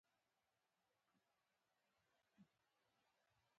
د اورېدونکو په اړه پوهه لرل یا یې پېژندل،